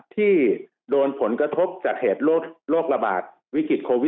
ที่โดนผลกระทบจากเหตุโรคระบาดวิกฤตโควิด